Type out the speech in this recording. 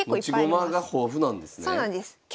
持ち駒が豊富なんですね。